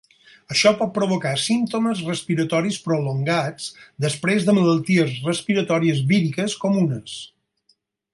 Això pot provocar símptomes respiratoris prolongats després de malalties respiratòries víriques comunes.